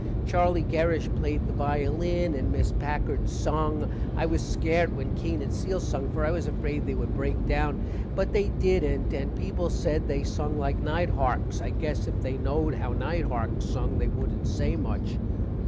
Charlie Gerish played the violin and Miss Packard sung. i was scart when Keene and Cele sung for i was afraid they would break down, but they dident, and people said they sung like night harks. i gess if they knowed how night harks sung they woodent say much.